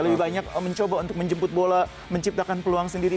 lebih banyak mencoba untuk menjemput bola menciptakan peluang sendiri